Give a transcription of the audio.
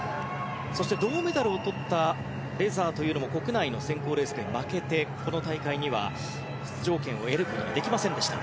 そして、銅メダルをとったウェザーというのも国内の選考レースで負けてこの大会には出場権を得ることができませんでした。